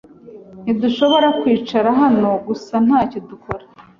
Ntidushobora kwicara hano gusa ntacyo dukora.